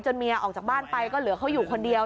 เมียออกจากบ้านไปก็เหลือเขาอยู่คนเดียว